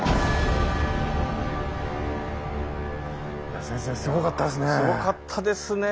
いや先生すごかったですね。